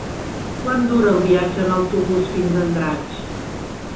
Quant dura el viatge en autobús fins a Andratx?